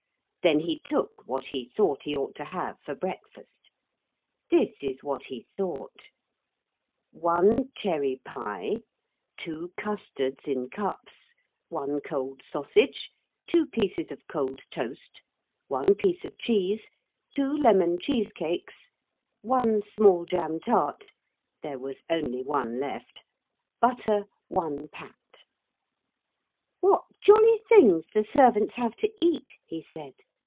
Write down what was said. Then he took what he thought he ought to have for breakfast. This is what he thought: 1 cherry pie, 2 custards in cups, 1 cold sausage, 2 pieces of cold toast, 1 piece of cheese, 2 lemon cheese cakes, 1 small jam tart (there was only one left), Butter, 1 pat. 'What jolly things the servants have to eat,' he said.